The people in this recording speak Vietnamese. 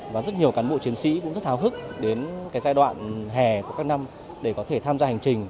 và rất nhiều cán bộ chiến sĩ cũng rất hào hức đến giai đoạn hè của các năm để có thể tham gia hành trình